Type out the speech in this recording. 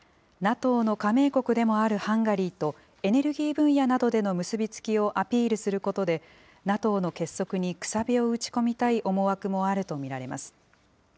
ＮＡＴＯの加盟国でもあるハンガリーと、エネルギー分野などでの結び付きをアピールすることで、ＮＡＴＯの結束にくさびを打ち込みたい思惑もあると見られます。